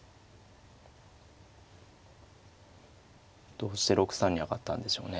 どうして６三に上がったんでしょうね？